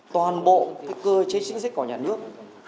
toàn bộ cơ chế chính sách của nhà nước